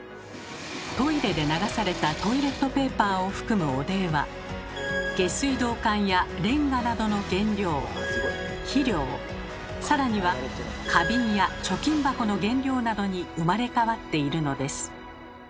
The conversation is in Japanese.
トイレで流されたトイレットペーパーを含む汚泥は下水道管やレンガなどの原料肥料さらには花瓶や貯金箱の原料などに生まれ変わっているのです。